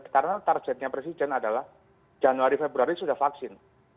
karena targetnya presiden adalah januari februari sudah vaksin